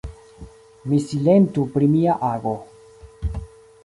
Mi silentu pri mia ago.